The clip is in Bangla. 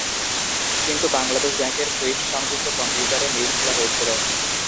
কিন্তু বাংলাদেশ ব্যাংকের সুইফট সংযুক্ত কম্পিউটারে মেইল খোলা হয়েছিল।